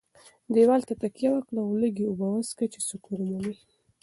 دېوال ته تکیه وکړه او لږې اوبه وڅښه چې سکون ومومې.